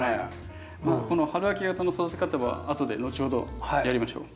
まあこの春秋型の育て方は後で後ほどやりましょう。